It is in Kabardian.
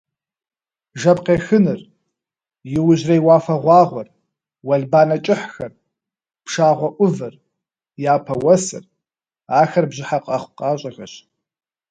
Жэп къехыныр, иужьрей уафэгъуагъуэр, уэлбанэ кӏыхьхэр, пшагъуэ ӏувыр, япэ уэсыр – ахэр бжьыхьэ къэхъукъащӏэхэщ.